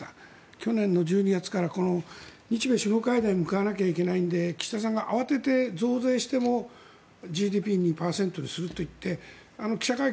去年の１２月から日米首脳会談に向かわなきゃいけないので岸田さんが慌てて増税してもＧＤＰ２％にすると言って記者会見